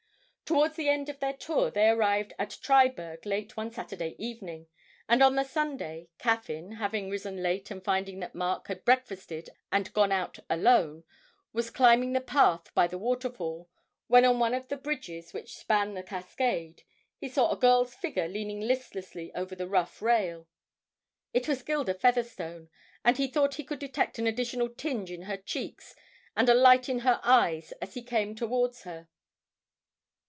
Towards the end of their tour, they arrived at Triberg late one Saturday evening, and on the Sunday, Caffyn, having risen late and finding that Mark had breakfasted and gone out alone, was climbing the path by the waterfall, when, on one of the bridges which span the cascade, he saw a girl's figure leaning listlessly over the rough rail. It was Gilda Featherstone, and he thought he could detect an additional tinge in her cheeks and a light in her eyes as he came towards her.